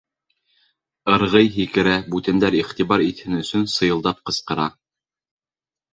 Ырғый-Һикерә, бүтәндәр иғтибар итһен өсөн, сыйылдап ҡысҡыра.